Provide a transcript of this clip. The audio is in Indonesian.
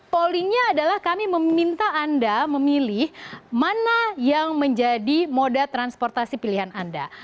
pollingnya adalah kami meminta anda memilih mana yang menjadi moda transportasi pilihan anda